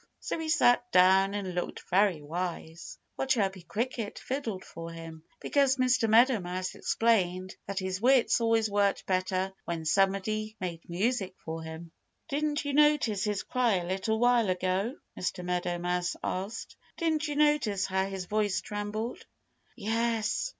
So he sat down and looked very wise, while Chirpy Cricket fiddled for him, because Mr. Meadow Mouse explained that his wits always worked better when somebody made music for him. "Didn't you notice his cry a little while ago?" Mr. Meadow Mouse asked. "Didn't you notice how his voice trembled?" "Yes!"